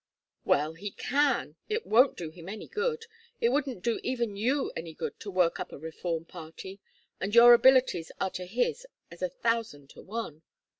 "Well, he can. It won't do him any good. It wouldn't do even you any good to work up a reform party, and your abilities are to his as a thousand to one.